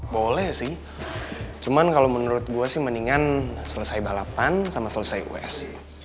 boleh sih cuman kalau menurut gue sih mendingan selesai balapan sama selesai us